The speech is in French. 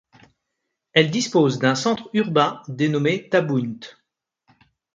Elle dispose d'un centre urbain dénommé Tabounte.